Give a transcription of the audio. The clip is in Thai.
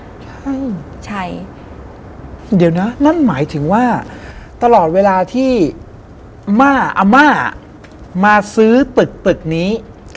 ใช่ใช่เดี๋ยวนะนั่นหมายถึงว่าตลอดเวลาที่ม่าอาม่ามาซื้อตึกตึกนี้